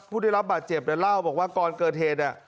ผู้ได้รับบาดเจ็บเล่าบอกว่าก่อนเกิดเหตุ